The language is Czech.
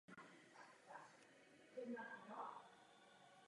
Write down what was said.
Tehdy je uváděn jako prezident advokátní komory ve Lvově.